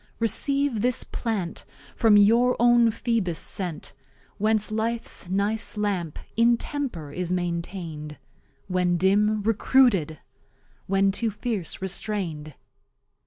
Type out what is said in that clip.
Receive this Plant, from your own Phoebus sent; Whence Life's nice Lamp in Temper is maintain'd, When Dim, Recruited, when too fierce, restrained.